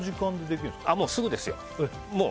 もう、すぐですよ。